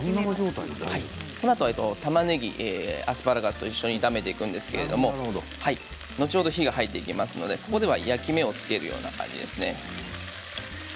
このあと、たまねぎアスパラガスと一緒に炒めていくんですけれど後ほど火が入っていきますのでここでは焼き目をつける状態ですね。